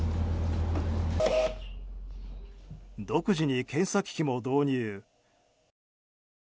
独自に検査機器も導入。